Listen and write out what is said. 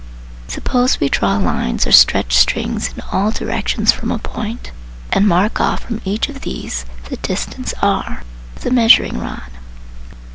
Suppose we draw lines or stretch strings in all directions from a point, and mark off from each of these the distance r with a measuring rod.